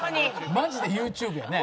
マジでＹｏｕＴｕｂｅやね。